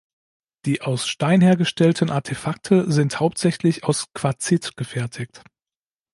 Die aus Stein hergestellten Artefakte sind hauptsächlich aus Quarzit gefertigt.